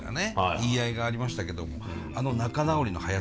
言い合いがありましたけどあの仲直りの早さね。